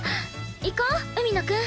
行こう海野くん。